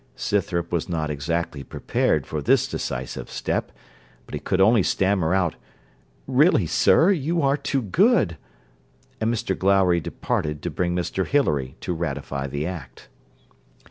Scythrop was not exactly prepared for this decisive step; but he could only stammer out, 'Really, sir, you are too good;' and Mr Glowry departed to bring Mr Hilary to ratify the act.